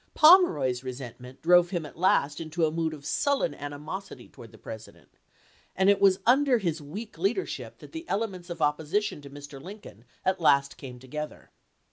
Pomeroy's resentment drove him at last into a mood of sullen animosity towards the Presi THE POMEROY CIECULAR 319 dent, and it was under Ms weak leadership that chap. xii. the elements of opposition to Mr. Lincoln at last came together.